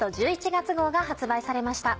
１１月号が発売されました。